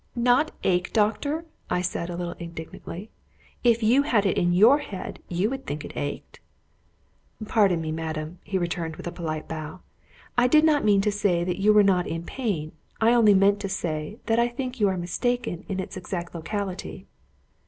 "Not ache, doctor?" said I, a little indignantly. "If you had it in your head, you would think it ached." "Pardon me, madam," he returned, with a polite bow. "I did not mean to say that you were not in pain. I only mean to say that I think that you are mistaken in its exact locality."